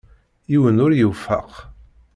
Yiwen ur y-iwefeq.